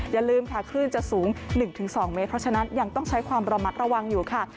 อย่าลืมค่ะคลื่นจะสูง๑๒เมตรเพราะฉะนั้นยังต้องใช้ความระมัดระวังอยู่ค่ะ